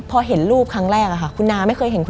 มันกลายเป็นรูปของคนที่กำลังขโมยคิ้วแล้วก็ร้องไห้อยู่